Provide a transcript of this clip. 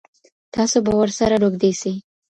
تاسو به ورسره روږدي سئ.